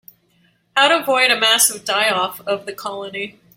How to avoid a massive die-off of the colony.